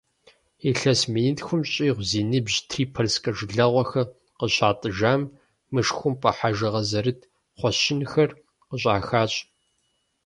Илъэс минитхум щӏигъу зи ныбжь трипольскэ жылагъуэхэр къыщатӏыжам, мышхумпӏэ хьэжыгъэ зэрыт кхъуэщынхэр къыщӏахащ.